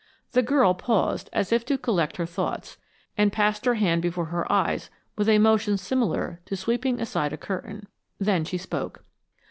The girl paused, as if to collect her thoughts, and passed her hand before her eyes with a motion similar to sweeping aside a curtain. Then she spoke.